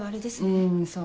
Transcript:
うんそう。